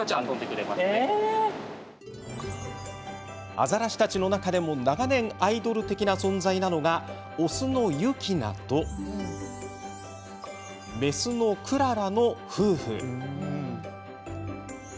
アザラシたちの中でも長年アイドル的な存在なのがオスのユキナとメスのくららの夫婦。